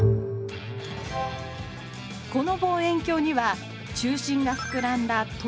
この望遠鏡には中心が膨らんだ凸